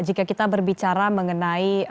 jika kita berbicara mengenai